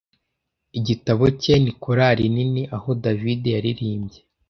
igitabo cye ni korari nini aho david yaririmbye